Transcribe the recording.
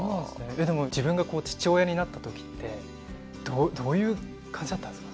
えっでも自分がこう父親になった時ってどういう感じだったんですか？